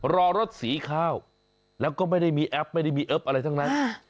รอรถสีข้าวแล้วก็ไม่ได้มีแอปไม่ได้มีเอฟอะไรทั้งนั้น